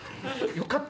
よかった。